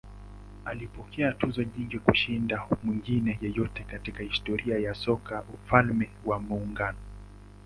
Alipokea tuzo nyingi kushinda mwingine yeyote katika historia ya soka ya Ufalme wa Muungano.